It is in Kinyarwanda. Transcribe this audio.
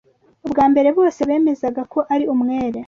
Ubwa mbere, bose bemezaga ko ari umwere.